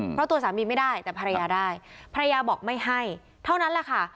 เพราะตัวสามีไม่ได้แต่ภรรยาได้ภรรยาบอกไม่ให้เท่านั้นแหละค่ะ